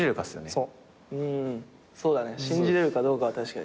そうだね信じれるかどうかは確かに大事。